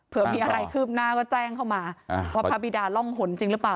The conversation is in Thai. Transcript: เผื่อมีอะไรคืบหน้าก็แจ้งเข้ามาว่าพระบิดาล่องหนจริงหรือเปล่า